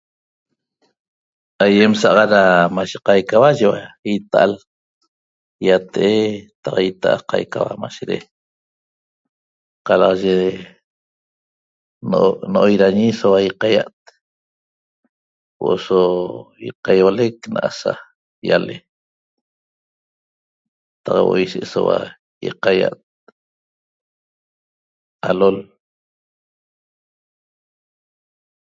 Aiem saxat da mashe qaicaua yeua so ita'al, iate'e qataq iate'e mashere qalaxaye no'oirañi soua iqaia't huo'o so iqaiolec na'asa iale taq huo'oi se'esoua iqaia't alol